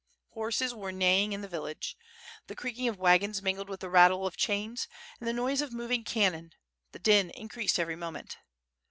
Horses were neighing in WITH FIRE A\D HWOJW. jgg the village. The creaking of wagons mingled with the rattle of chains, and the noise ol nioviii*' cannon; — tlie din increased every moment.